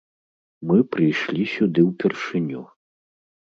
Мы прыйшлі сюды ўпершыню.